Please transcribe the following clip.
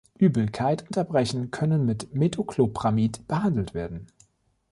Übelkeit und Erbrechen können mit Metoclopramid behandelt werden.